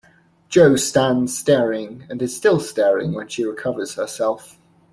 Jo stands staring, and is still staring when she recovers herself.